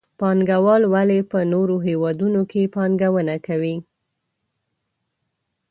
پانګوال ولې په نورو هېوادونو کې پانګونه کوي؟